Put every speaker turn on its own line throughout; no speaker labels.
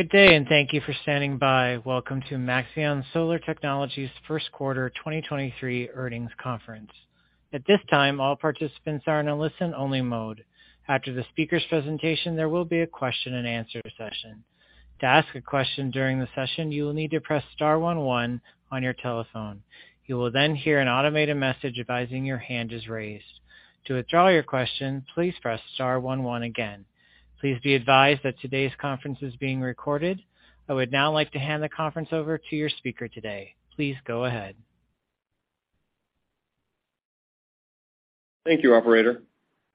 Good day, thank you for standing by. Welcome to Maxeon Solar Technologies First Quarter 2023 Earnings Conference. At this time, all participants are in a listen-only mode. After the speaker's presentation, there will be a question-and-answer session. To ask a question during the session, you will need to press star one one on your telephone. You will then hear an automated message advising your hand is raised. To withdraw your question, please press star one one again. Please be advised that today's conference is being recorded. I would now like to hand the conference over to your speaker today. Please go ahead.
Thank you, operator.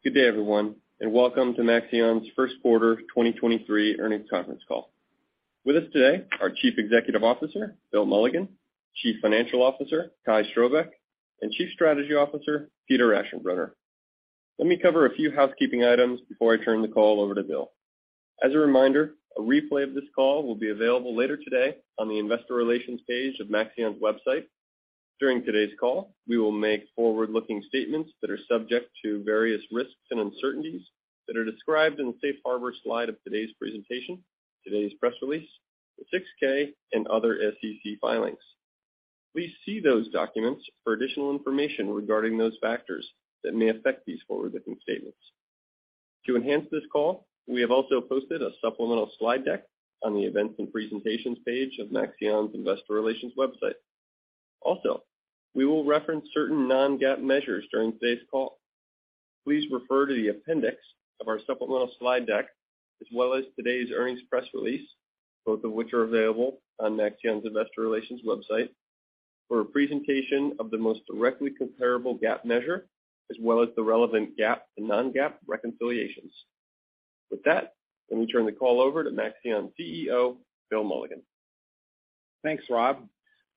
Good day, everyone. Welcome to Maxeon's First Quarter 2023 Earnings Conference Call. With us today, our Chief Executive Officer, Bill Mulligan, Chief Financial Officer, Kai Strohbecke, and Chief Strategy Officer, Peter Aschenbrenner. Let me cover a few housekeeping items before I turn the call over to Bill. As a reminder, a replay of this call will be available later today on the investor relations page of Maxeon's website. During today's call, we will make forward-looking statements that are subject to various risks and uncertainties that are described in the Safe Harbor slide of today's presentation, today's press release, the 6-K, and other SEC filings. Please see those documents for additional information regarding those factors that may affect these forward-looking statements. To enhance this call, we have also posted a supplemental slide deck on the Events and Presentations page of Maxeon's investor relations website. We will reference certain non-GAAP measures during today's call. Please refer to the appendix of our supplemental slide deck, as well as today's earnings press release, both of which are available on Maxeon's investor relations website, for a presentation of the most directly comparable GAAP measure, as well as the relevant GAAP and non-GAAP reconciliations. With that, let me turn the call over to Maxeon CEO, Bill Mulligan.
Thanks, Rob.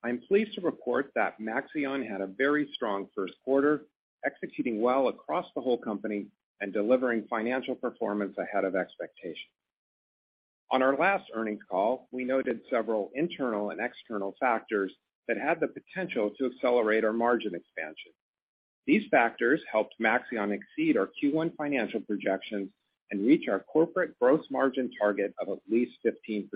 I'm pleased to report that Maxeon had a very strong first quarter, executing well across the whole company and delivering financial performance ahead of expectation. On our last earnings call, we noted several internal and external factors that had the potential to accelerate our margin expansion. These factors helped Maxeon exceed our Q1 financial projections and reach our corporate gross margin target of at least 15%.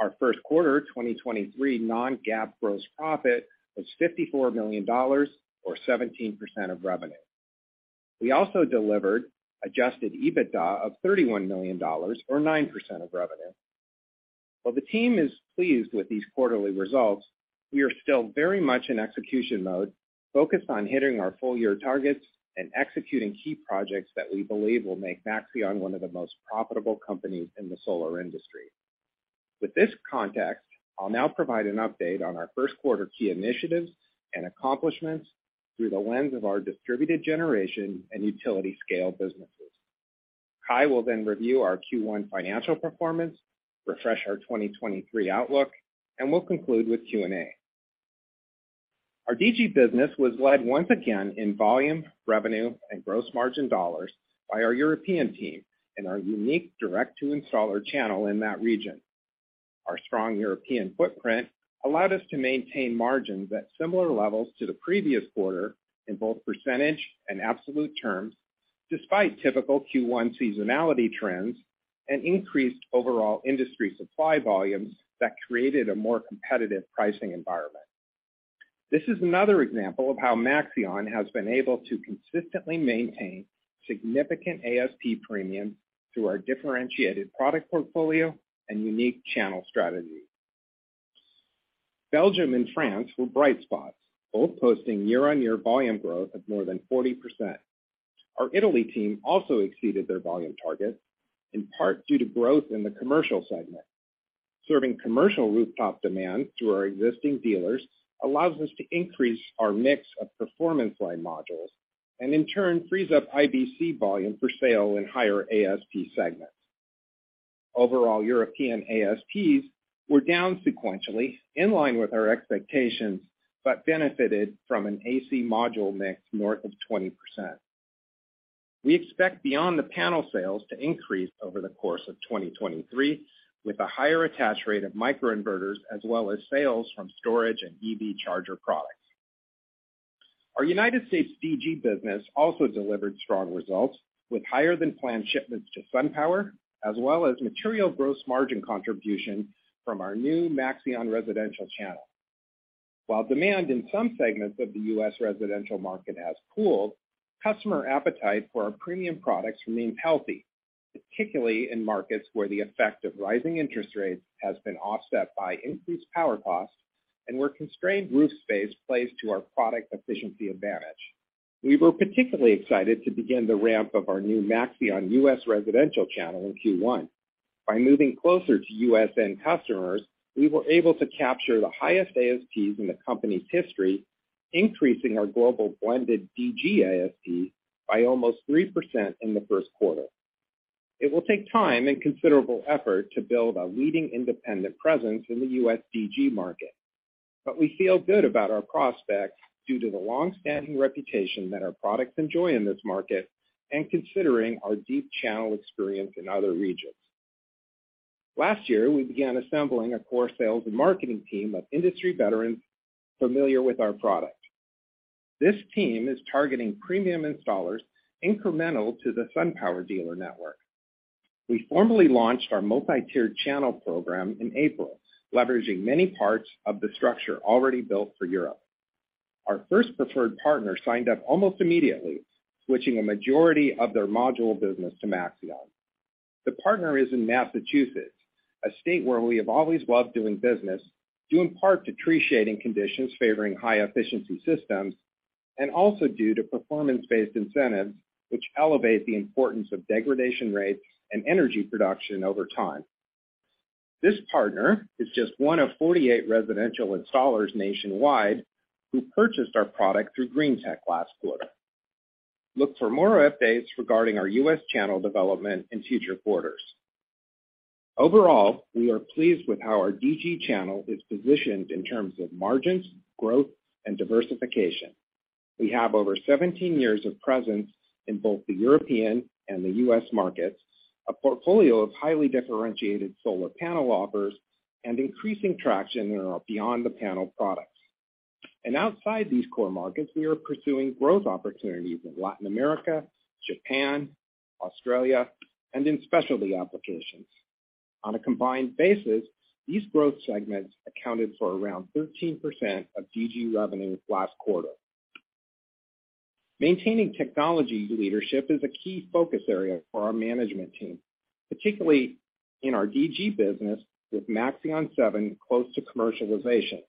Our first quarter 2023 non-GAAP gross profit was $54 million or 17% of revenue. We also delivered adjusted EBITDA of $31 million or 9% of revenue. While the team is pleased with these quarterly results, we are still very much in execution mode, focused on hitting our full-year targets and executing key projects that we believe will make Maxeon one of the most profitable companies in the solar industry. With this context, I'll now provide an update on our first quarter key initiatives and accomplishments through the lens of our distributed generation and utility scale businesses. Kai will then review our Q1 financial performance, refresh our 2023 outlook, and we'll conclude with Q&A. Our DG business was led once again in volume, revenue, and gross margin dollars by our European team and our unique direct-to-installer channel in that region. Our strong European footprint allowed us to maintain margins at similar levels to the previous quarter in both % and absolute terms, despite typical Q1 seasonality trends and increased overall industry supply volumes that created a more competitive pricing environment. This is another example of how Maxeon has been able to consistently maintain significant ASP premium through our differentiated product portfolio and unique channel strategy. Belgium and France were bright spots, both posting year-on-year volume growth of more than 40%. Our Italy team also exceeded their volume target, in part due to growth in the commercial segment. Serving commercial rooftop demand through our existing dealers allows us to increase our mix of Performance Line Modules, and in turn, frees up IBC volume for sale in higher ASP segments. Overall, European ASPs were down sequentially in line with our expectations, but benefited from an AC Module mix north of 20%. We expect Beyond The Panel sales to increase over the course of 2023 with a higher attach rate of microinverters as well as sales from storage and EV charger products. Our United States DG business also delivered strong results with higher-than-planned shipments to SunPower, as well as material gross margin contribution from our new Maxeon residential channel. While demand in some segments of the U.S. residential market has cooled, customer appetite for our premium products remains healthy, particularly in markets where the effect of rising interest rates has been offset by increased power costs and where constrained roof space plays to our product efficiency advantage. We were particularly excited to begin the ramp of our new Maxeon U.S. residential channel in Q1. By moving closer to U.S. end customers, we were able to capture the highest ASPs in the company's history, increasing our global blended DG ASP by almost 3% in the first quarter. It will take time and considerable effort to build a leading independent presence in the U.S. DG market. We feel good about our prospects due to the long-standing reputation that our products enjoy in this market and considering our deep channel experience in other regions. Last year, we began assembling a core sales and marketing team of industry veterans familiar with our product. This team is targeting premium installers incremental to the SunPower dealer network. We formally launched our multi-tiered channel program in April, leveraging many parts of the structure already built for Europe. Our first preferred partner signed up almost immediately, switching a majority of their module business to Maxeon. The partner is in Massachusetts, a state where we have always loved doing business, due in part to tree shading conditions favoring high-efficiency systems and also due to performance-based incentives which elevate the importance of degradation rates and energy production over time. This partner is just one of 48 residential installers nationwide who purchased our product through CED Greentech last quarter. Look for more updates regarding our U.S. channel development in future quarters. Overall, we are pleased with how our DG channel is positioned in terms of margins, growth, and diversification. We have over 17 years of presence in both the European and the U.S. markets, a portfolio of highly differentiated solar panel offers, and increasing traction in our Beyond The Panel products. Outside these core markets, we are pursuing growth opportunities in Latin America, Japan, Australia, and in specialty applications. On a combined basis, these growth segments accounted for around 13% of DG revenue last quarter. Maintaining technology leadership is a key focus area for our management team, particularly in our DG business, with Maxeon 7 close to commercialization.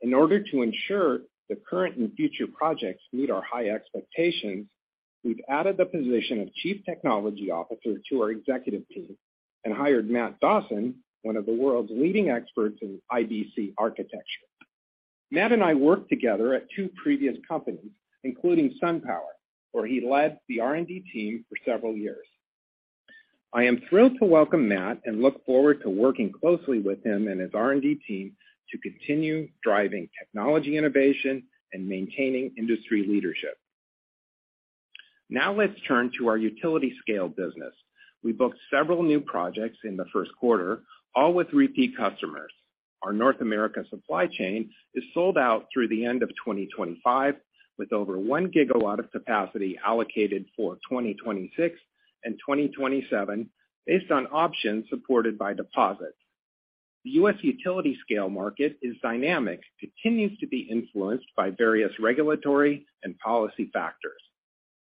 In order to ensure the current and future projects meet our high expectations, we've added the position of Chief Technology Officer to our executive team and hired Matt Dawson, one of the world's leading experts in IBC architecture. Matt and I worked together at two previous companies, including SunPower, where he led the R&D team for several years. I am thrilled to welcome Matt and look forward to working closely with him and his R&D team to continue driving technology innovation and maintaining industry leadership. Let's turn to our utility scale business. We booked several new projects in the first quarter, all with repeat customers. Our North America supply chain is sold out through the end of 2025, with over 1 gigawatt of capacity allocated for 2026 and 2027 based on options supported by deposits. The U.S. utility scale market is dynamic, continues to be influenced by various regulatory and policy factors.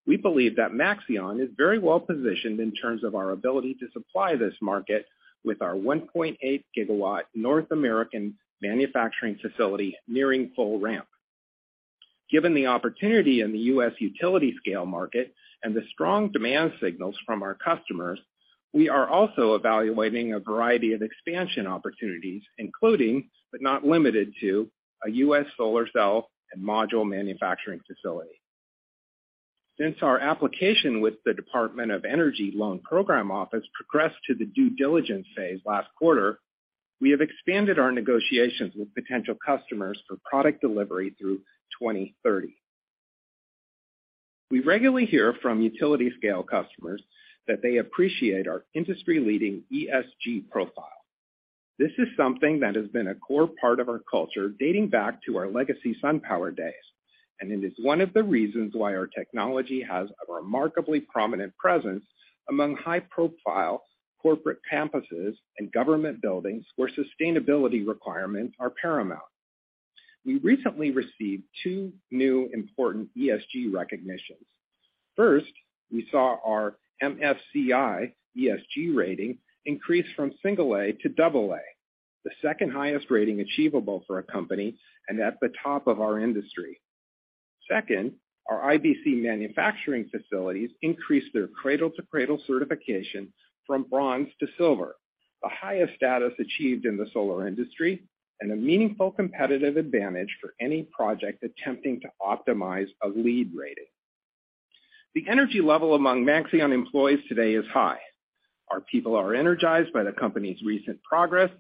We believe that Maxeon is very well positioned in terms of our ability to supply this market with our 1.8 gigawatts North American manufacturing facility nearing full ramp. Given the opportunity in the U.S. utility scale market and the strong demand signals from our customers, we are also evaluating a variety of expansion opportunities, including but not limited to a U.S. solar cell and module manufacturing facility. Since our application with the Department of Energy Loan Programs Office progressed to the due diligence phase last quarter, we have expanded our negotiations with potential customers for product delivery through 2030. We regularly hear from utility scale customers that they appreciate our industry-leading ESG profile. This is something that has been a core part of our culture dating back to our legacy SunPower days, and it is one of the reasons why our technology has a remarkably prominent presence among high-profile corporate campuses and government buildings where sustainability requirements are paramount. We recently received two new important ESG recognitions. First, we saw our MSCI ESG rating increase from A to AA, the second highest rating achievable for a company and at the top of our industry. Second, our IBC manufacturing facilities increased their Cradle to Cradle certification from bronze to silver, the highest status achieved in the solar industry and a meaningful competitive advantage for any project attempting to optimize a LEED rating. The energy level among Maxeon employees today is high. Our people are energized by the company's recent progress,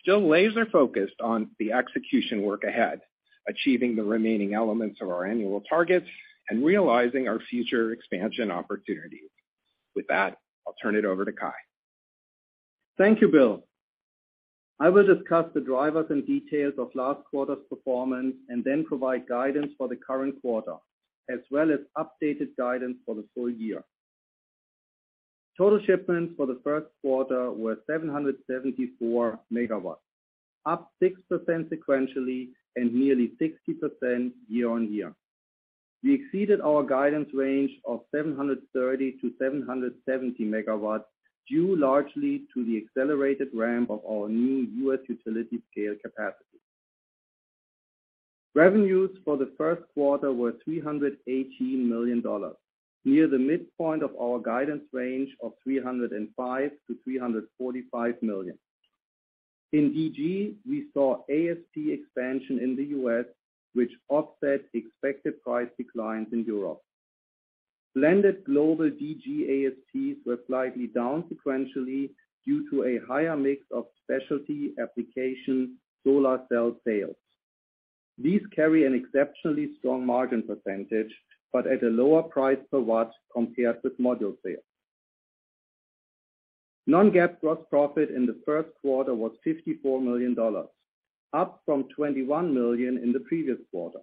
still laser-focused on the execution work ahead, achieving the remaining elements of our annual targets and realizing our future expansion opportunities. With that, I'll turn it over to Kai.
Thank you, Bill. I will discuss the drivers and details of last quarter's performance then provide guidance for the current quarter, as well as updated guidance for the full year. Total shipments for the first quarter were 774 megawatts, up 6% sequentially and nearly 60% year-over-year. We exceeded our guidance range of 730-770 megawatts, due largely to the accelerated ramp of our new U.S. utility scale capacity. Revenues for the first quarter were $318 million, near the midpoint of our guidance range of $305 million-$345 million. In DG, we saw ASP expansion in the U.S., which offset expected price declines in Europe. Blended global DG ASPs were slightly down sequentially due to a higher mix of specialty application solar cell sales. These carry an exceptionally strong margin %, but at a lower price per watt compared with module sales. Non-GAAP gross profit in the first quarter was $54 million, up from $21 million in the previous quarter.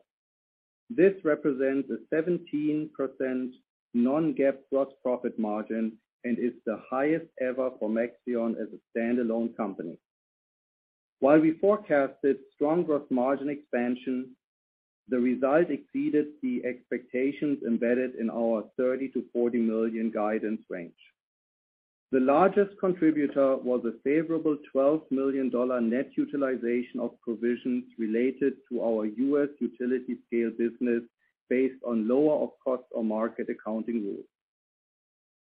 This represents a 17% non-GAAP gross profit margin and is the highest ever for Maxeon as a stand-alone company. While we forecasted strong gross margin expansion, the result exceeded the expectations embedded in our $30 million-$40 million guidance range. The largest contributor was a favorable $12 million net utilization of provisions related to our U.S. utility scale business based on lower of cost or market accounting rules.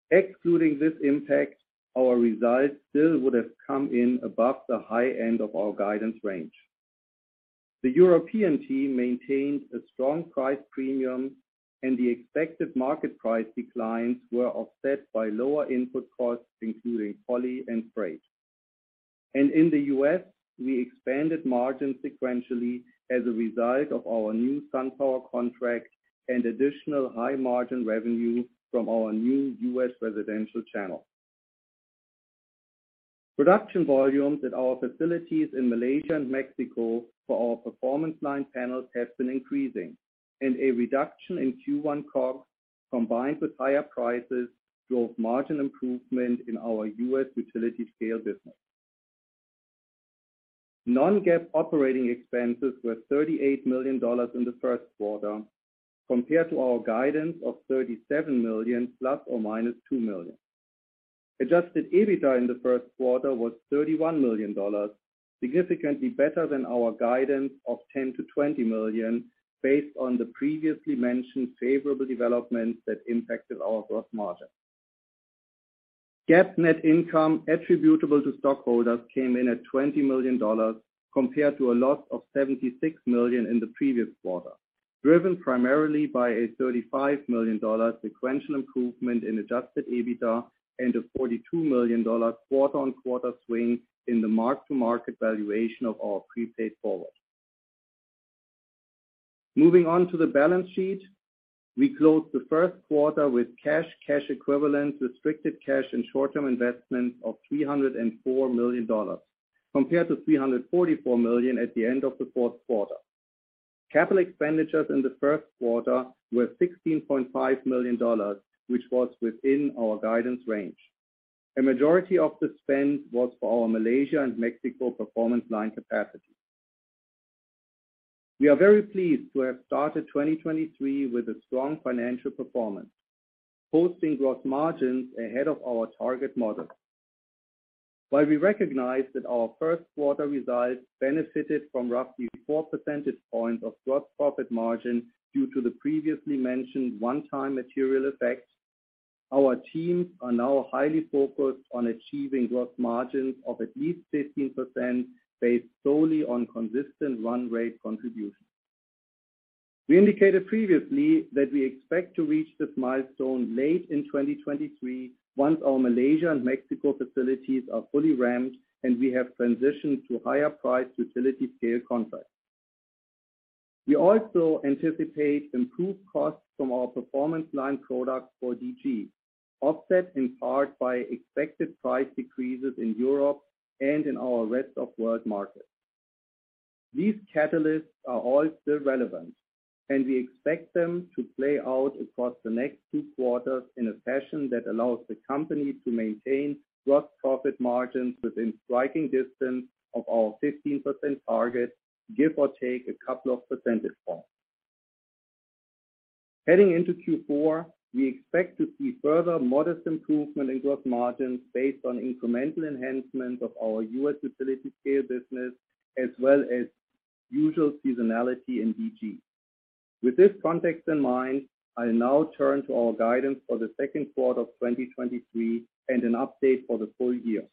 Excluding this impact, our results still would have come in above the high end of our guidance range. The European team maintained a strong price premium and the expected market price declines were offset by lower input costs, including poly and freight. In the U.S., we expanded margins sequentially as a result of our new SunPower contract and additional high-margin revenue from our new U.S. residential channel. Production volumes at our facilities in Malaysia and Mexico for our Performance Line panels have been increasing, and a reduction in Q1 COGS, combined with higher prices, drove margin improvement in our U.S. utility scale business. non-GAAP operating expenses were $38 million in the first quarter compared to our guidance of $37 million ±$2 million. Adjusted EBITDA in the first quarter was $31 million, significantly better than our guidance of $10 million-$20 million based on the previously mentioned favorable developments that impacted our gross margin. GAAP net income attributable to stockholders came in at $20 million compared to a loss of $76 million in the previous quarter, driven primarily by a $35 million sequential improvement in adjusted EBITDA and a $42 million quarter-on-quarter swing in the mark-to-market valuation of our Prepaid Forward. Moving on to the balance sheet. We closed the first quarter with cash equivalents, restricted cash, and short-term investments of $304 million, compared to $344 million at the end of the fourth quarter. Capital expenditures in the first quarter were $16.5 million, which was within our guidance range. A majority of the spend was for our Malaysia and Mexico Performance Line capacity. We are very pleased to have started 2023 with a strong financial performance, posting gross margins ahead of our target model. While we recognize that our first quarter results benefited from roughly 4 percentage points of gross profit margin due to the previously mentioned one-time material effects, our teams are now highly focused on achieving gross margins of at least 15% based solely on consistent run rate contributions. We indicated previously that we expect to reach this milestone late in 2023 once our Malaysia and Mexico facilities are fully ramped and we have transitioned to higher price utility scale contracts. We also anticipate improved costs from our Performance Line products for DG, offset in part by expected price decreases in Europe and in our rest of world markets. These catalysts are all still relevant, and we expect them to play out across the next 2 quarters in a fashion that allows the company to maintain gross profit margins within striking distance of our 15% target, give or take a couple of percentage points. Heading into Q4, we expect to see further modest improvement in gross margins based on incremental enhancements of our U.S. utility scale business as well as usual seasonality in DG. With this context in mind, I'll now turn to our guidance for the second quarter of 2023 and an update for the full year.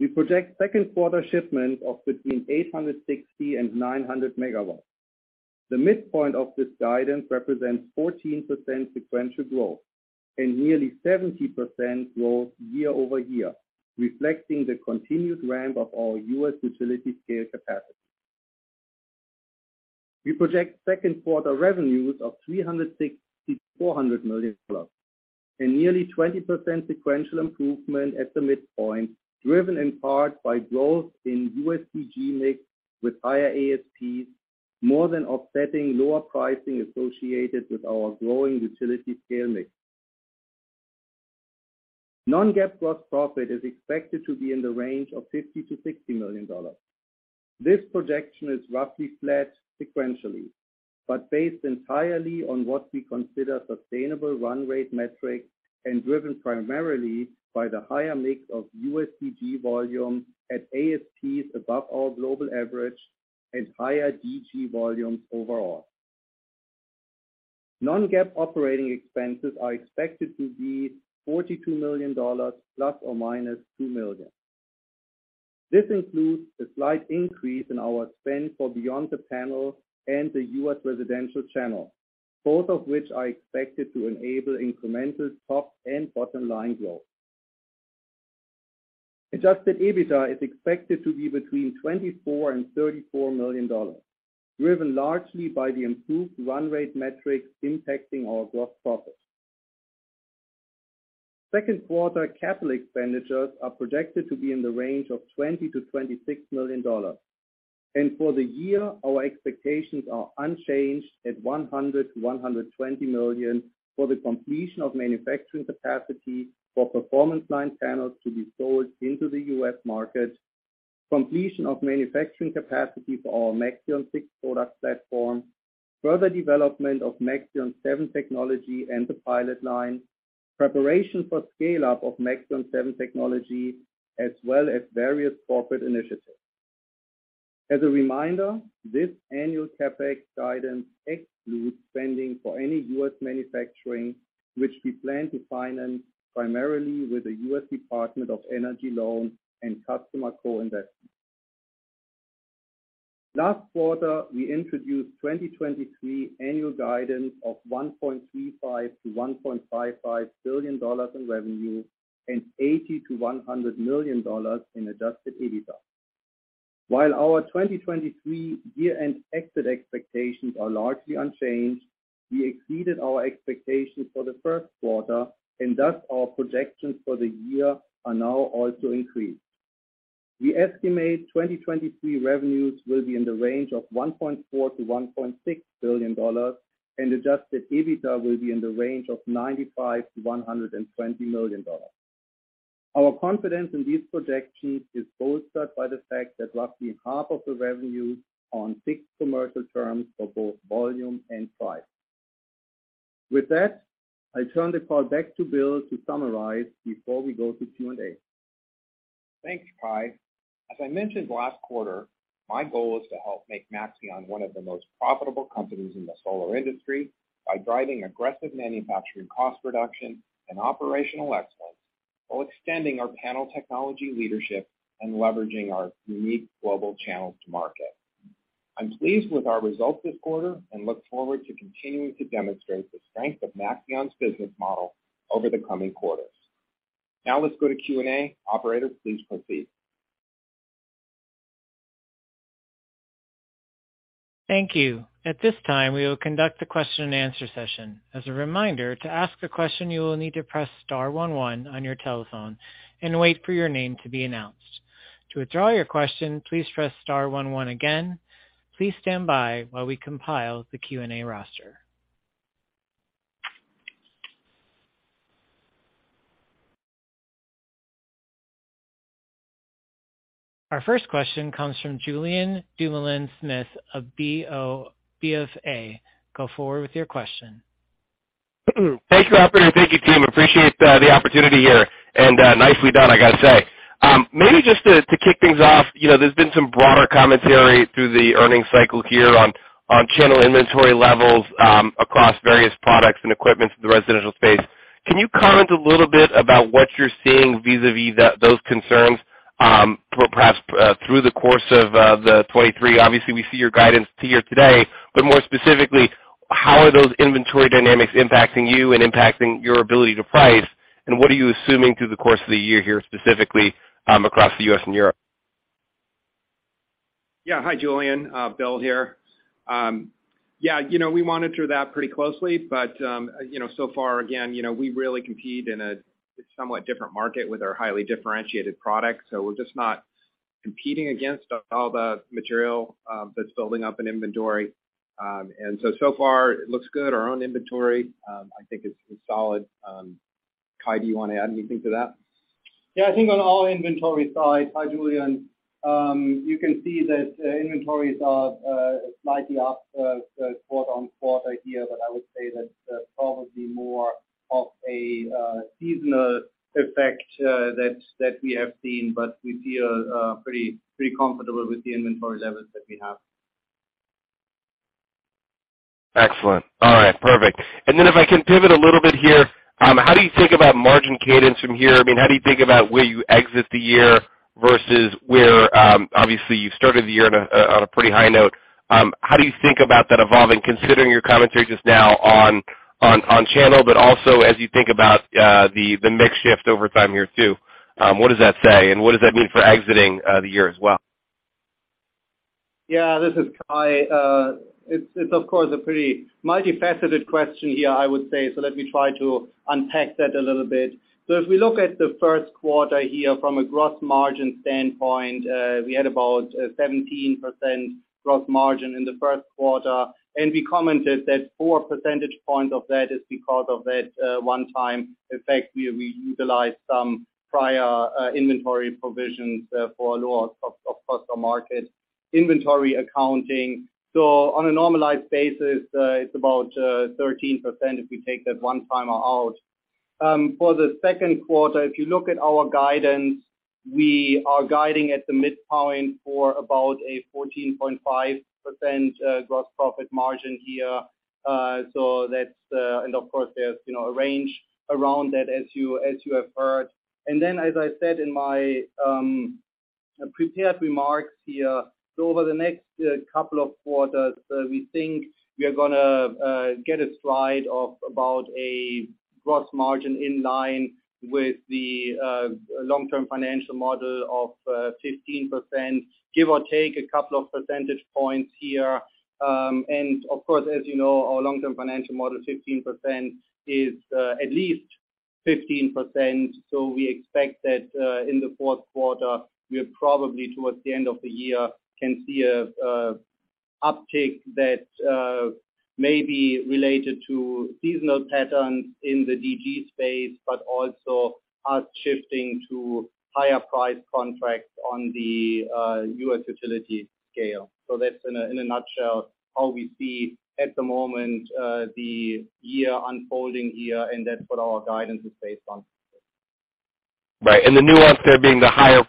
We project second quarter shipments of between 860 and 900 megawatts. The midpoint of this guidance represents 14% sequential growth and nearly 70% growth year-over-year, reflecting the continued ramp of our U.S. utility scale capacity. We project second quarter revenues of $360 million-$400 million plus and nearly 20% sequential improvement at the midpoint, driven in part by growth in U.S. DG mix with higher ASPs, more than offsetting lower pricing associated with our growing utility scale mix. non-GAAP gross profit is expected to be in the range of $50 million-$60 million. This projection is roughly flat sequentially, but based entirely on what we consider sustainable run rate metrics and driven primarily by the higher mix of U.S. DG volume at ASPs above our global average and higher DG volumes overall. non-GAAP operating expenses are expected to be $42 million ±$2 million. This includes a slight increase in our spend for Beyond The Panel and the U.S. residential channel, both of which are expected to enable incremental top and bottom line growth. Adjusted EBITDA is expected to be between $24 million and $34 million, driven largely by the improved run rate metrics impacting our gross profit. Second quarter capital expenditures are projected to be in the range of $20 million-$26 million. For the year, our expectations are unchanged at $100 million-$120 million for the completion of manufacturing capacity for Performance Line panels to be sold into the U.S. market, completion of manufacturing capacity for our Maxeon 6 product platform, further development of Maxeon 7 technology and the pilot line, preparation for scale-up of Maxeon 7 technology, as well as various corporate initiatives. As a reminder, this annual CapEx guidance excludes spending for any U.S. manufacturing, which we plan to finance primarily with the U.S. Department of Energy loan and customer co-investment. Last quarter, we introduced 2023 annual guidance of $1.35 billion-$1.55 billion in revenue and $80 million-$100 million in adjusted EBITDA. While our 2023 year-end exit expectations are largely unchanged, we exceeded our expectations for the first quarter, thus our projections for the year are now also increased. We estimate 2023 revenues will be in the range of $1.4 billion-$1.6 billion, and adjusted EBITDA will be in the range of $95 million-$120 million. Our confidence in these projections is bolstered by the fact that roughly half of the revenues are on fixed commercial terms for both volume and price. With that, I turn the call back to Bill to summarize before we go to Q&A.
Thanks, Kai. As I mentioned last quarter, my goal is to help make Maxeon one of the most profitable companies in the solar industry by driving aggressive manufacturing cost reduction and operational excellence, while extending our panel technology leadership and leveraging our unique global channels to market. I'm pleased with our results this quarter and look forward to continuing to demonstrate the strength of Maxeon's business model over the coming quarters. Let's go to Q&A. Operator, please proceed.
Thank you. At this time, we will conduct the question-and-answer session. As a reminder, to ask a question, you will need to press star one one on your telephone and wait for your name to be announced. To withdraw your question, please press star one one again. Please stand by while we compile the Q&A roster. Our first question comes from Julien Dumoulin-Smith of BofA. Go forward with your question.
Thank you, operator. Thank you, team. Appreciate the opportunity here, and nicely done, I got to say. Maybe just to kick things off, you know, there's been some broader commentary through the earnings cycle here on channel inventory levels across various products and equipment for the residential space. Can you comment a little bit about what you're seeing vis-a-vis those concerns, perhaps through the course of 2023? Obviously, we see your guidance to year today, but more specifically, how are those inventory dynamics impacting you and impacting your ability to price, and what are you assuming through the course of the year here, specifically across the U.S. and Europe?
Yeah. Hi, Julien. Bill here. Yeah, you know, we monitor that pretty closely, but, you know, so far, again, you know, we really compete in a somewhat different market with our highly differentiated products. We're just not competing against all the material, that's building up in inventory. So far it looks good. Our own inventory, I think is solid. Kai, do you want to add anything to that?
I think on our inventory side. Hi, Julien. You can see that inventories are slightly up quarter-over-quarter here, but I would say that's probably more of a seasonal effect that we have seen, but we feel pretty comfortable with the inventory levels that we have.
Excellent. All right. Perfect. If I can pivot a little bit here, how do you think about margin cadence from here? I mean, how do you think about where you exit the year versus where, obviously you started the year on a, on a pretty high note. How do you think about that evolving, considering your commentary just now on channel, but also as you think about, the mix shift over time here too? What does that say, and what does that mean for exiting, the year as well?
Yeah. This is Kai. It's of course a pretty multifaceted question here, I would say. Let me try to unpack that a little bit. If we look at the first quarter here from a gross margin standpoint, we had about 17% gross margin in the first quarter, and we commented that 4 percentage points of that is because of that one-time effect where we utilized some prior inventory provisions for lower cost of market inventory accounting. On a normalized basis, it's about 13% if we take that one-timer out. For the second quarter, if you look at our guidance, we are guiding at the midpoint for about a 14.5% gross profit margin here. Of course, there's, you know, a range around that as you, as you have heard. Then, as I said in my a prepared remarks here. Over the next couple of quarters, we think we are gonna get a slide of about a gross margin in line with the long-term financial model of 15%, give or take a couple of percentage points here. Of course, as you know, our long-term financial model 15% is at least 15%. We expect that in the fourth quarter, we are probably towards the end of the year can see an uptick that may be related to seasonal patterns in the DG space, but also us shifting to higher price contracts on the U.S. utility scale. That's in a nutshell how we see at the moment the year unfolding here, and that's what our guidance is based on.
Right. the nuance there being the higher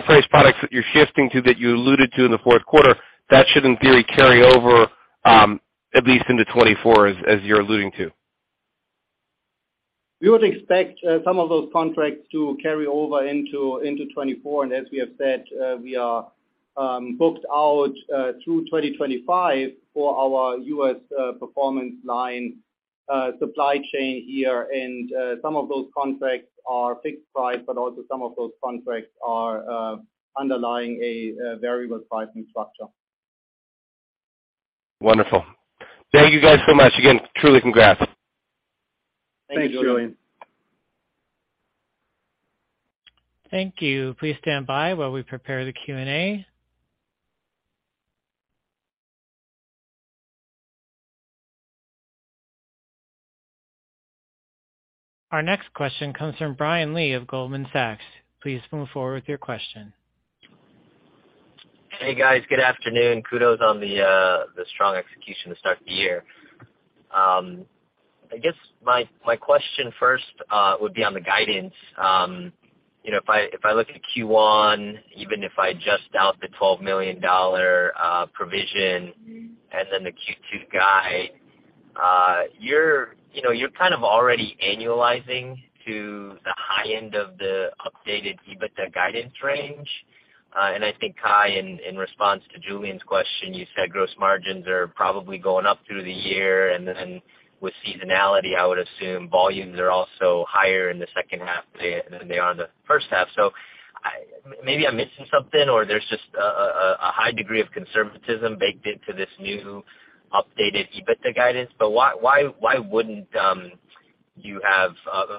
priced products that you're shifting to, that you alluded to in the fourth quarter, that should in theory, carry over, at least into 2024, as you're alluding to.
We would expect some of those contracts to carry over into 2024. As we have said, we are booked out through 2025 for our U.S. Performance Line supply chain here. Some of those contracts are fixed price, but also some of those contracts are underlying a variable pricing structure.
Wonderful. Thank you guys so much. Again, truly congrats.
Thanks, Julien.
Thank you. Please stand by while we prepare the Q&A. Our next question comes from Brian Lee of Goldman Sachs. Please move forward with your question.
Hey, guys. Good afternoon. Kudos on the strong execution to start the year. I guess my question first would be on the guidance. You know, if I look at Q1, even if I adjust out the $12 million provision, then the Q2 guide, you know, you're kind of already annualizing to the high end of the updated EBITDA guidance range. I think, Kai, in response to Julien's question, you said gross margins are probably going up through the year. Then with seasonality, I would assume volumes are also higher in the second half than they are in the first half. Maybe I'm missing something or there's just a high degree of conservatism baked into this new updated EBITDA guidance? Why wouldn't you have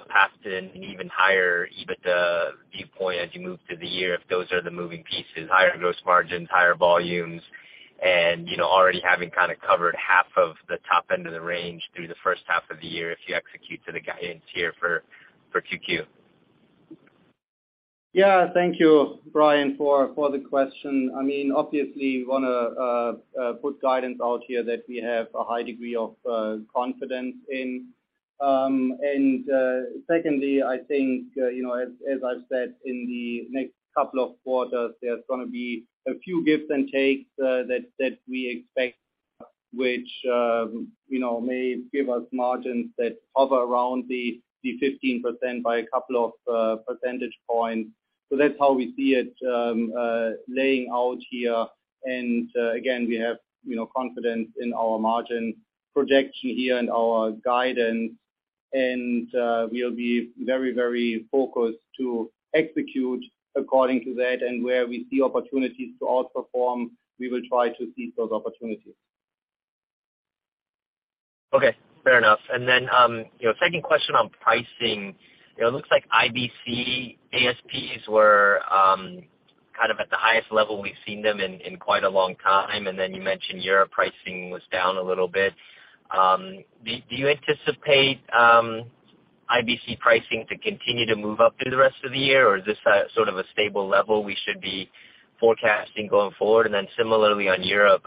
passed an even higher EBITDA viewpoint as you move through the year if those are the moving pieces, higher gross margins, higher volumes, and, you know, already having kinda covered half of the top end of the range through the first half of the year if you execute to the guidance here for QQ?
Yeah. Thank you, Brian, for the question. I mean, obviously we wanna put guidance out here that we have a high degree of confidence in. Secondly, I think, you know, as I said in the next couple of quarters, there's gonna be a few gives and takes that we expect, which, you know, may give us margins that hover around the 15% by a couple of percentage points. That's how we see it laying out here. Again, we have, you know, confidence in our margin projection here and our guidance. We'll be very, very focused to execute according to that. Where we see opportunities to outperform, we will try to seize those opportunities.
Okay. Fair enough. You know, second question on pricing. You know, it looks like IBC ASPs were kind of at the highest level we've seen them in quite a long time. You mentioned Europe pricing was down a little bit. Do you anticipate IBC pricing to continue to move up through the rest of the year? Or is this a sort of a stable level we should be forecasting going forward? Similarly on Europe,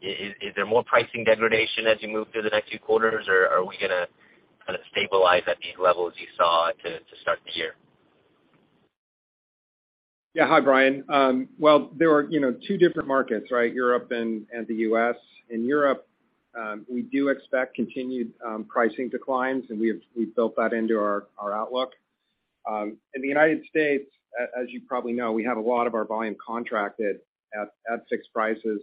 is there more pricing degradation as you move through the next few quarters? Or are we gonna kinda stabilize at these levels you saw to start the year?
Yeah. Hi, Brian. Well, there are, you know, two different markets, right? Europe and the U.S. In Europe, we do expect continued pricing declines, and we've built that into our outlook. In the United States, as you probably know, we have a lot of our volume contracted at fixed prices.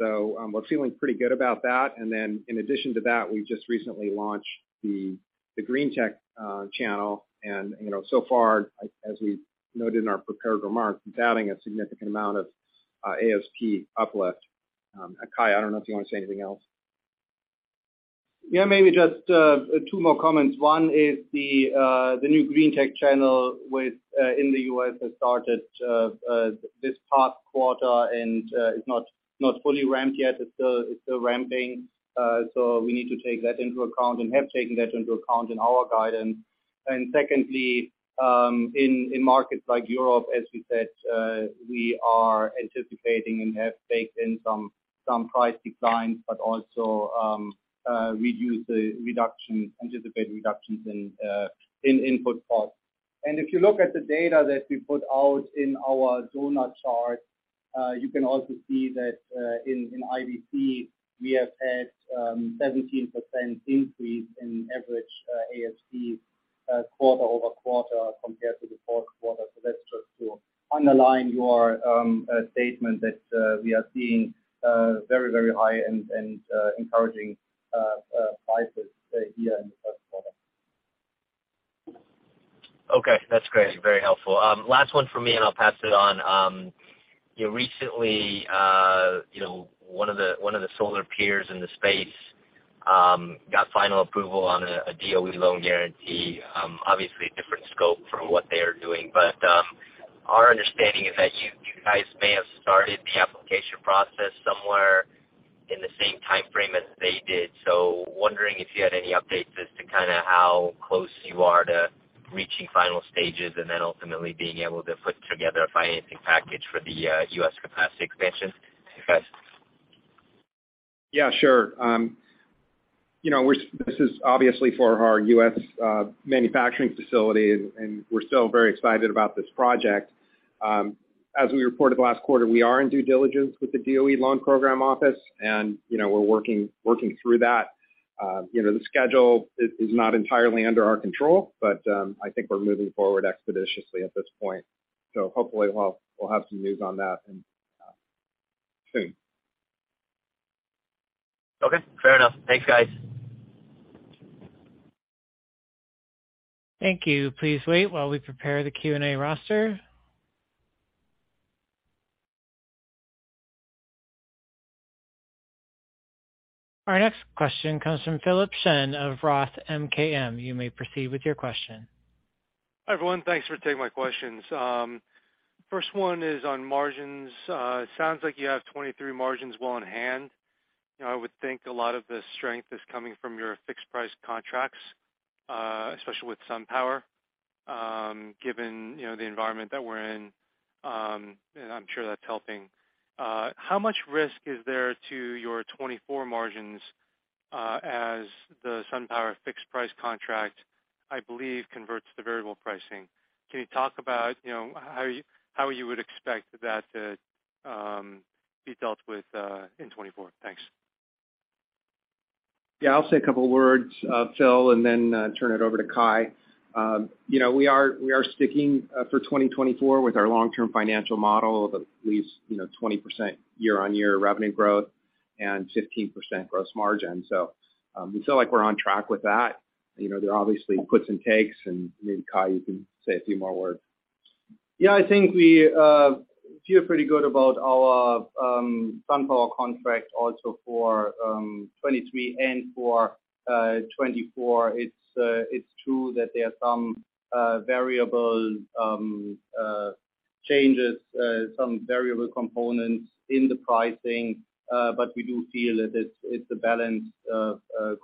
We're feeling pretty good about that. In addition to that, we just recently launched the CED Greentech channel. You know, so far, as we noted in our prepared remarks, it's adding a significant amount of ASP uplift. Kai, I don't know if you wanna say anything else.
Maybe just two more comments. One is the new CED Greentech channel in the U.S. has started this past quarter and is not fully ramped yet. It's still ramping. So we need to take that into account and have taken that into account in our guidance. Secondly, in markets like Europe, as we said, we are anticipating and have baked in some price declines, but also anticipate reductions in input costs. If you look at the data that we put out in our doughnut chart, you can also see that in IBC, we have had 17% increase in average ASP quarter-over-quarter compared to the fourth quarter. That's just to underline your statement that we are seeing very high and encouraging prices here in the first quarter.
Okay. That's great. Very helpful. last one for me, and I'll pass it on. you know, recently, you know, one of the, one of the solar peers in the space, got final approval on a DOE loan guarantee, obviously different scope from what they are doing. Our understanding is that you guys may have started the application process somewhere in the same timeframe as they did. Wondering if you had any updates as to kind of how close you are to reaching final stages and then ultimately being able to put together a financing package for the U.S. capacity expansion? Thanks.
Yeah, sure. you know, This is obviously for our U.S. manufacturing facility, and we're still very excited about this project. As we reported last quarter, we are in due diligence with the DOE Loan Programs Office, and, you know, we're working through that. you know, the schedule is not entirely under our control, but, I think we're moving forward expeditiously at this point. Hopefully we'll have some news on that soon.
Okay. Fair enough. Thanks, guys.
Thank you. Please wait while we prepare the Q&A roster. Our next question comes from Philip Shen of Roth MKM. You may proceed with your question.
Hi, everyone. Thanks for taking my questions. First one is on margins. It sounds like you have 2023 margins well in hand. You know, I would think a lot of the strength is coming from your fixed price contracts, especially with SunPower, given, you know, the environment that we're in, and I'm sure that's helping. How much risk is there to your 2024 margins, as the SunPower fixed price contract, I believe, converts to variable pricing? Can you talk about, you know, how you, how you would expect that to be dealt with, in 2024? Thanks.
Yeah. I'll say a couple of words, Phil, turn it over to Kai. You know, we are sticking for 2024 with our long-term financial model of at least, you know, 20% year-on-year revenue growth and 15% gross margin. We feel like we're on track with that. You know, there are obviously puts and takes, and maybe Kai, you can say a few more words.
Yeah. I think we feel pretty good about our SunPower contract also for 2023 and for 2024. It's true that there are some variable changes, some variable components in the pricing, but we do feel that it's a balanced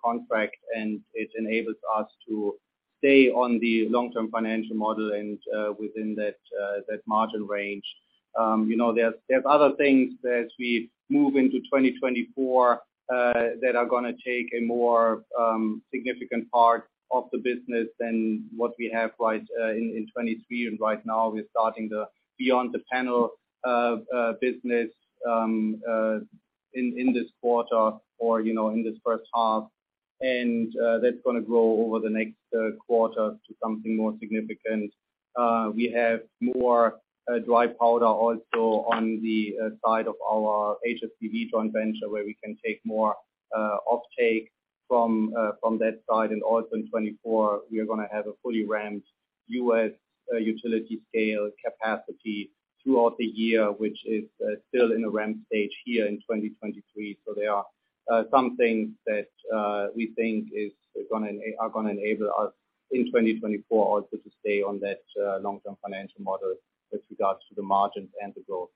contract, and it enables us to stay on the long-term financial model and within that margin range. You know, there's other things as we move into 2024 that are gonna take a more significant part of the business than what we have right in 2023. Right now we're starting the Beyond The Panel business in this quarter or, you know, in this first half. That's gonna grow over the next quarter to something more significant. We have more dry powder also on the side of our HSPV joint venture, where we can take more off-take from that side. Also in 2024, we are gonna have a fully ramped U.S. utility scale capacity throughout the year, which is still in a ramp stage here in 2023. There are some things that we think is gonna enable us in 2024 also to stay on that long-term financial model with regards to the margins and the growth.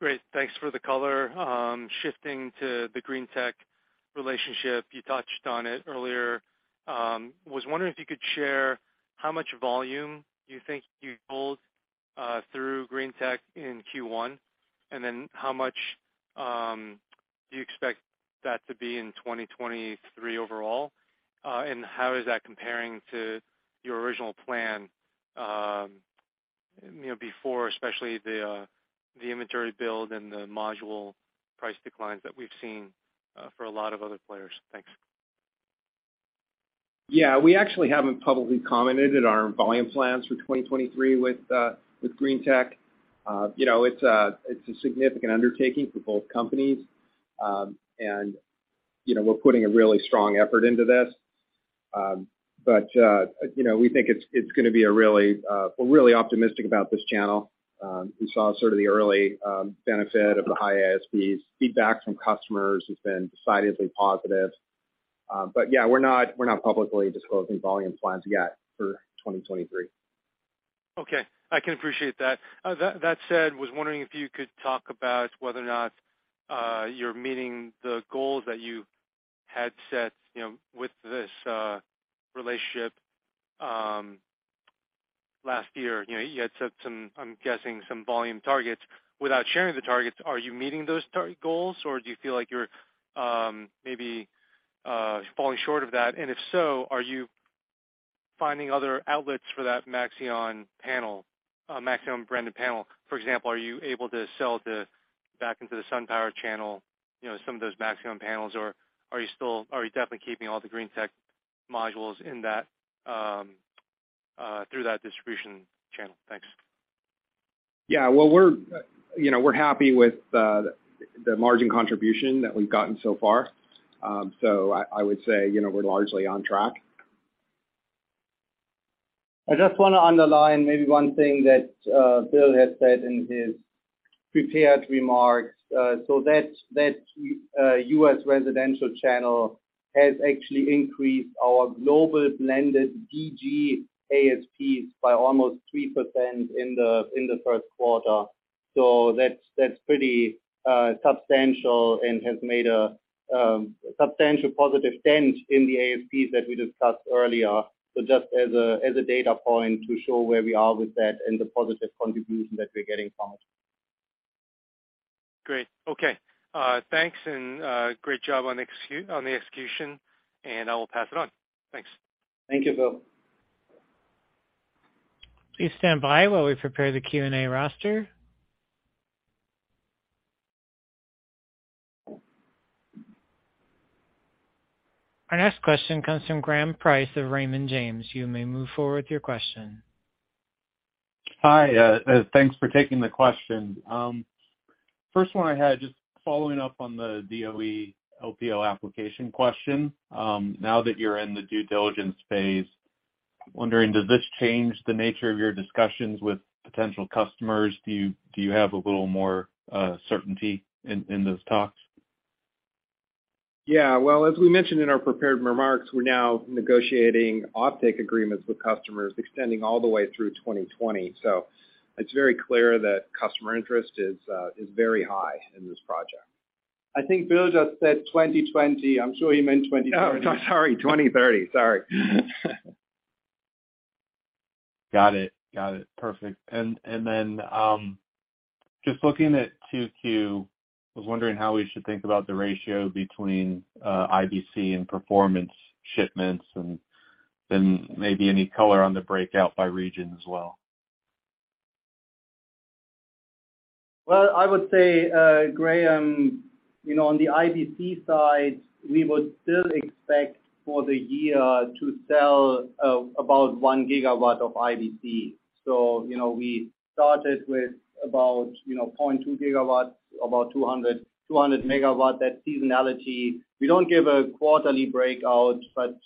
Great. Thanks for the color. Shifting to the CED Greentech relationship, you touched on it earlier. Was wondering if you could share how much volume you think you pulled through CED Greentech in Q1, and then how much do you expect that to be in 2023 overall? How is that comparing to your original plan, you know, before, especially the inventory build and the module price declines that we've seen for a lot of other players? Thanks.
Yeah. We actually haven't publicly commented on our volume plans for 2023 with CED Greentech. You know, it's a significant undertaking for both companies. You know, we're putting a really strong effort into this. You know, we think it's gonna be a really, we're really optimistic about this channel. We saw sort of the early benefit of the high ASPs. Feedback from customers has been decidedly positive. Yeah, we're not, we're not publicly disclosing volume plans yet for 2023.
Okay. I can appreciate that. That said, was wondering if you could talk about whether or not you're meeting the goals that you had set, you know, with this relationship last year. You know, you had set some, I'm guessing, some volume targets. Without sharing the targets, are you meeting those goals, or do you feel like you're maybe falling short of that? If so, are you finding other outlets for that Maxeon panel, Maxeon branded panel? For example, are you able to sell the back into the SunPower channel, you know, some of those Maxeon panels? Are you definitely keeping all the Greentech modules in that through that distribution channel? Thanks.
Yeah. Well, we're, you know, we're happy with the margin contribution that we've gotten so far. I would say, you know, we're largely on track.
I just wanna underline maybe one thing that Bill had said in his prepared remarks. That U.S. residential channel has actually increased our global blended DG ASP by almost 3% in the first quarter. That's pretty substantial and has made a substantial positive dent in the ASP that we discussed earlier. Just as a data point to show where we are with that and the positive contribution that we're getting from it.
Great. Okay. Thanks, and, great job on the execution, and I will pass it on. Thanks.
Thank you, Bill.
Please stand by while we prepare the Q&A roster. Our next question comes from Graham Price of Raymond James. You may move forward with your question.
Hi. Thanks for taking the question. First one I had, just following up on the DOE LPO application question. Now that you're in the due diligence phase, I'm wondering, does this change the nature of your discussions with potential customers? Do you have a little more certainty in those talks?
Yeah. Well, as we mentioned in our prepared remarks, we're now negotiating off-take agreements with customers extending all the way through 2020. It's very clear that customer interest is very high in this project.
I think Bill just said 2020. I'm sure he meant 2030.
Oh, sorry, 2030. Sorry.
Got it. Got it. Perfect. Then, just looking at 2Q, I was wondering how we should think about the ratio between IBC and performance shipments, then maybe any color on the breakout by region as well.
Well, I would say, Graham, you know, on the IBC side, we would still expect for the year to sell about 1 gigawatt of IBC. You know, we started with about, you know, 0.2 gigawatts, about 200 megawatts. That seasonality, we don't give a quarterly breakout, but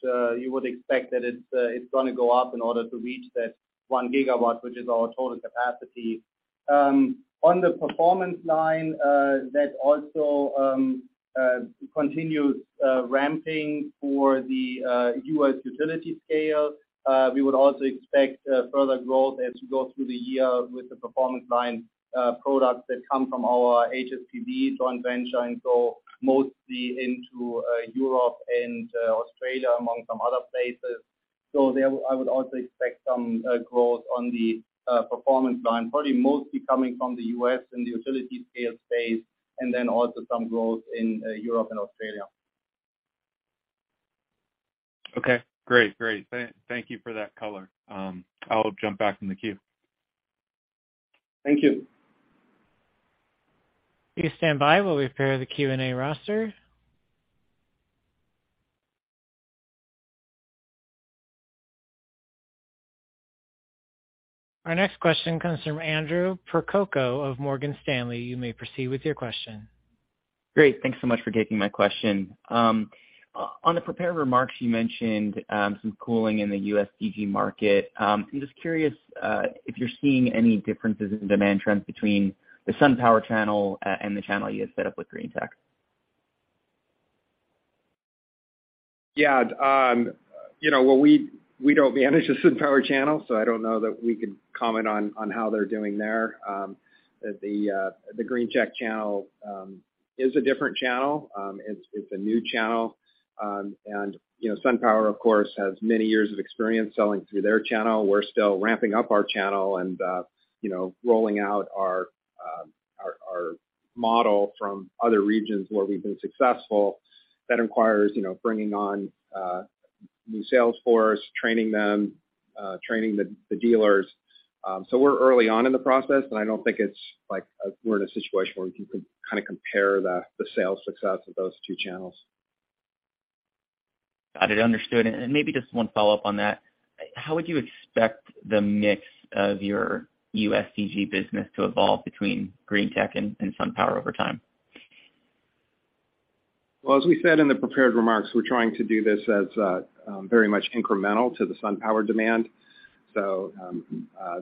you would expect that it's gonna go up in order to reach that 1 gigawatt, which is our total capacity. On the Performance Line, that also continues ramping for the U.S. utility scale. We would also expect further growth as we go through the year with the Performance Line products that come from our HSPV joint venture and go mostly into Europe and Australia among some other places. There I would also expect some growth on the Performance Line, probably mostly coming from the U.S. and the utility scale space, and then also some growth in Europe and Australia.
Okay, great. Great. Thank you for that color. I'll jump back in the queue.
Thank you.
Please stand by while we prepare the Q&A roster. Our next question comes from Andrew Percoco of Morgan Stanley. You may proceed with your question.
Great. Thanks so much for taking my question. On the prepared remarks, you mentioned some cooling in the U.S. DG market. I'm just curious if you're seeing any differences in demand trends between the SunPower channel and the channel you have set up with Greentech.
Yeah. you know, well, we don't manage the SunPower channel, so I don't know that we could comment on how they're doing there. The Greentech channel is a different channel. It's a new channel. you know, SunPower of course has many years of experience selling through their channel. We're still ramping up our channel and, you know, rolling out our model from other regions where we've been successful. That requires, you know, bringing on new sales force, training them, training the dealers. We're early on in the process, but I don't think it's like we're in a situation where you could kinda compare the sales success of those two channels.
Got it. Understood. Maybe just one follow-up on that. How would you expect the mix of your U.S. DG business to evolve between Greentech and SunPower over time?
As we said in the prepared remarks, we're trying to do this as very much incremental to the SunPower demand.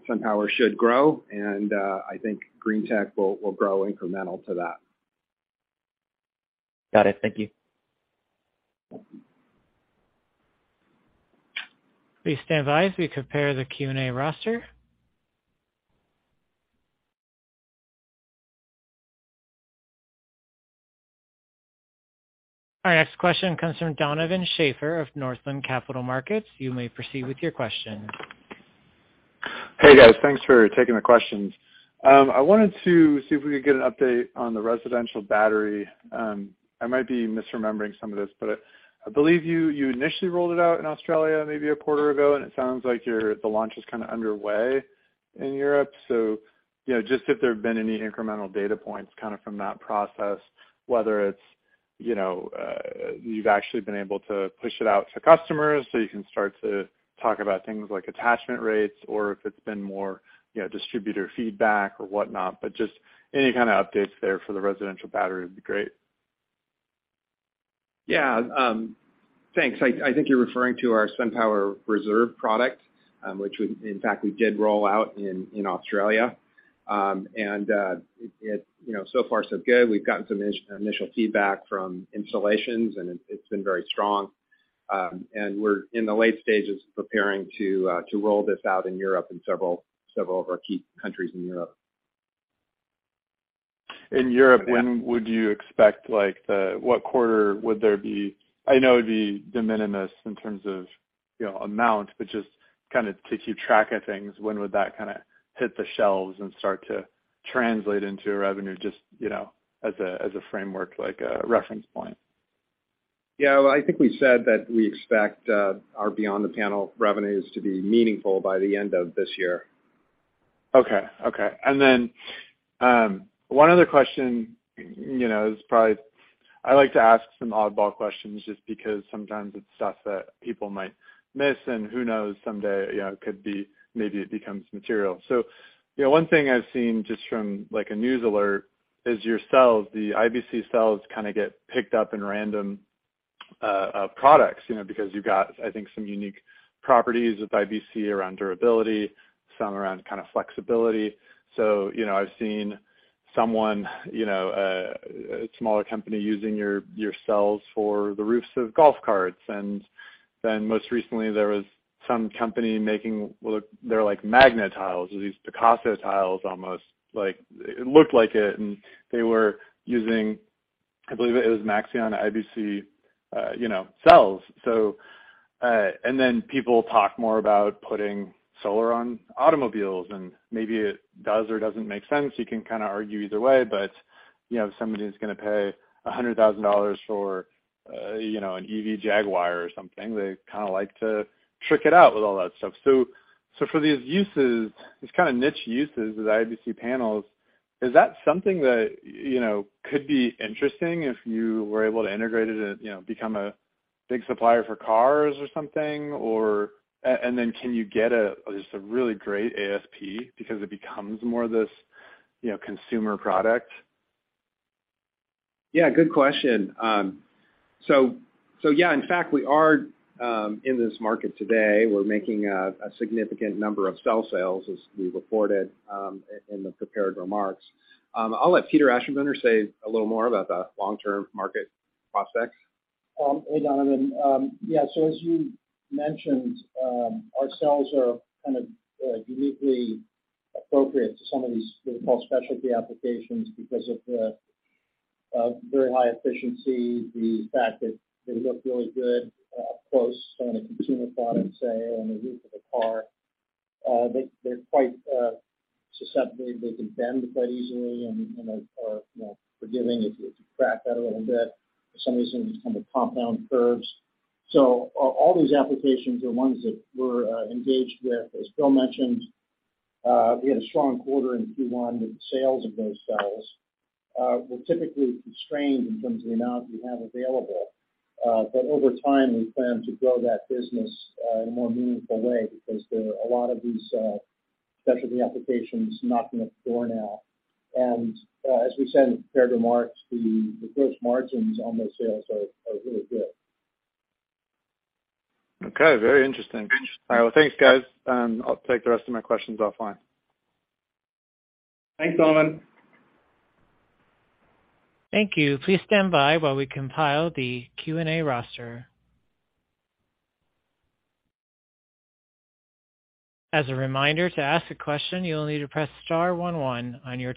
SunPower should grow and I think Greentech will grow incremental to that.
Got it. Thank you.
Please stand by as we prepare the Q&A roster. Our next question comes from Donovan Schafer of Northland Capital Markets. You may proceed with your question.
Hey guys, thanks for taking the questions. I wanted to see if we could get an update on the residential battery. I might be misremembering some of this, but I believe you initially rolled it out in Australia maybe a quarter ago, and it sounds like the launch is kinda underway in Europe. You know, just if there have been any incremental data points kinda from that process, whether it's, you know, you've actually been able to push it out to customers so you can start to talk about things like attachment rates or if it's been more, you know, distributor feedback or whatnot. Just any kinda updates there for the residential battery would be great.
Thanks. I think you're referring to our SunPower Reserve product, which in fact we did roll out in Australia. It, you know, so far so good. We've gotten some initial feedback from installations and it's been very strong. We're in the late stages of preparing to roll this out in Europe in several of our key countries in Europe.
In Europe, when would you expect what quarter would there be, I know it'd be de minimis in terms of, you know, amount, but just kinda to keep track of things, when would that kinda hit the shelves and start to translate into revenue just, you know, as a framework like a reference point?
Yeah. Well, I think we said that we expect our Beyond The Panel revenues to be meaningful by the end of this year.
Okay. Okay. Then, one other question, you know, is probably I like to ask some oddball questions just because sometimes it's stuff that people might miss and who knows someday, you know, could be maybe it becomes material. You know, one thing I've seen just from like a news alert is your cells, the IBC cells kinda get picked up in random products, you know, because you've got I think some unique properties with IBC around durability, some around kinda flexibility. You know, I've seen someone, you know, a smaller company using your cells for the roofs of golf carts. Then most recently there was some company making, well, they're like magnet tiles or these Picasso tiles almost like it looked like it, and they were using, I believe it was Maxeon IBC, you know, cells. And then people talk more about putting solar on automobiles and maybe it does or doesn't make sense. You can kinda argue either way. You know, if somebody's gonna pay $100,000 for, you know, an EV Jaguar or something, they kinda like to trick it out with all that stuff. For these uses, these kinda niche uses with IBC panels, is that something that, you know, could be interesting if you were able to integrate it and, you know, become a big supplier for cars or something? And then can you get a, just a really great ASP because it becomes more of this, you know, consumer product?
Yeah, good question. Yeah, in fact, we are in this market today. We're making a significant number of cell sales as we reported in the prepared remarks. I'll let Peter Aschenbrenner say a little more about the long-term market prospects.
Hey, Donovan. Yeah, so as you mentioned, our cells are kind of uniquely appropriate to some of these what we call specialty applications because of the very high efficiency, the fact that they look really good up close on a consumer product, say on the roof of a car. They're quite susceptible. They can bend quite easily and are, you know, forgiving if you, if you crack that a little bit for some reason on the compound curves. All these applications are ones that we're engaged with. As Bill mentioned, we had a strong quarter in Q1 with sales of those cells. We're typically constrained in terms of the amount we have available. Over time we plan to grow that business in a more meaningful way because there are a lot of these specialty applications knocking at the door now. As we said in the prepared remarks, the gross margins on those sales are really good.
Okay. Very interesting. All right. Well, thanks guys, and I'll take the rest of my questions offline.
Thanks, Donovan.
Thank you. Please stand by while we compile the Q&A roster. As a reminder, to ask a question, you'll need to press star one one on your telephone.